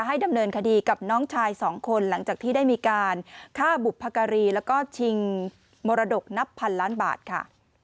ดำเนินคดีกับน้องชายสองคนหลังจากที่ได้มีการฆ่าบุพการีแล้วก็ชิงมรดกนับพันล้านบาทค่ะ